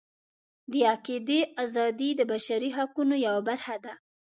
د عقیدې ازادي د بشري حقونو یوه برخه ده.